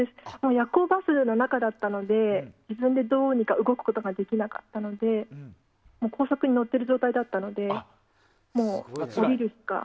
夜行バスの中だったので自分でどうにか動くことができなかったので高速に乗っている状態だったので降りるしかなくて。